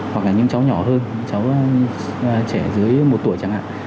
hoặc là những cháu nhỏ hơn cháu trẻ dưới một tuổi chẳng hạn